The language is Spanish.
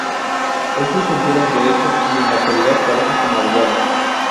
Es licenciada en Derecho, y en la actualidad trabaja como abogada.